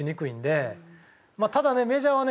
ただねメジャーはね